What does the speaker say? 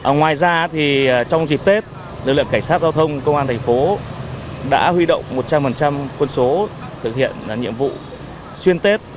ngoài ra trong dịp tết lực lượng cảnh sát giao thông công an thành phố đã huy động một trăm linh quân số thực hiện nhiệm vụ xuyên tết